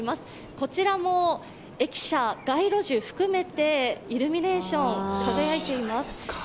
こちらも駅舎、街路樹含めてイルミネーション、輝いています。